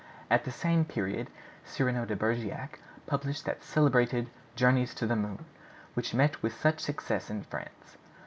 At the same period Cyrano de Bergerac published that celebrated 'Journeys in the Moon' which met with such success in France.